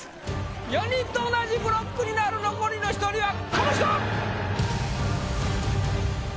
４人と同じブロックになる残りの１人はこの人！